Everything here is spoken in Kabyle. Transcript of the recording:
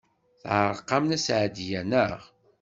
Teɛreq-am Nna Seɛdiya, naɣ?